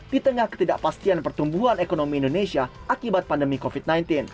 di tengah ketidakpastian pertumbuhan ekonomi indonesia akibat pandemi covid sembilan belas